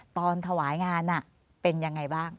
ตอนถวายงานเป็นยังไงบ้าง